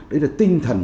đấy là tinh thần